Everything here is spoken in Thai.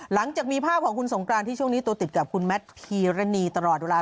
หลังจากมีภาพของคุณสงกรานที่ช่วงนี้ตัวติดกับคุณแมทพีรณีตลอดเวลา